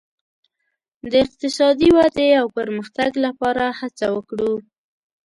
د اقتصادي ودې او پرمختګ لپاره هڅه وکړو.